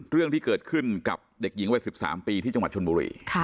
เรื่องที่เกิดขึ้นกับเด็กหญิงวัย๑๓ปีที่จังหวัดชนบุรี